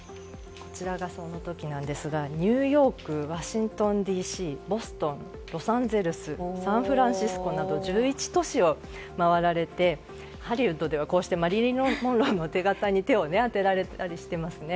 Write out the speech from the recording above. こちらがその時なんですがニューヨーク、ワシントンＤＣボストンロサンゼルスサンフランシスコなど１１都市を回られて、ハリウッドではマリリン・モンローの手形に手を当てられたりしていますね。